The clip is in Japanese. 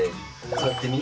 座ってみ？